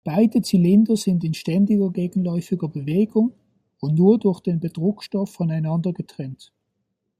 Beide Zylinder sind in ständiger gegenläufiger Bewegung und nur durch den Bedruckstoff voneinander getrennt.